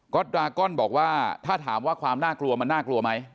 ก็ดรากอนบอกว่าถ้าถามว่าความน่ากลัวมันน่ากลัวไหม